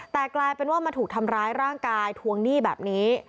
แต่กลายเป็นว่ามาถูกทำร้ายร่างกายทวงหนี้แบบนี้